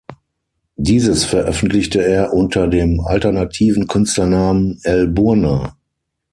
Dieses veröffentlichte er unter dem alternativen Künstlernamen L-Burna.